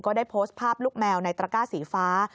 ได้โพสต์ภาพลูกแมวในตระก้าสีฟ้า